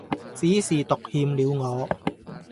只是獨欠了我